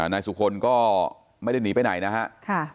นายสุคลก็ไม่ได้หนีไปไหนนะครับ